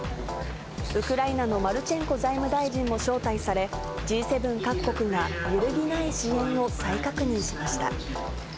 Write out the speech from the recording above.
ウクライナのマルチェンコ財務大臣も招待され、Ｇ７各国が揺るぎない支援を再確認しました。